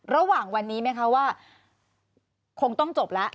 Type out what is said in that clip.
ระหว่างวันนี้ไหมคะว่าคงต้องจบแล้ว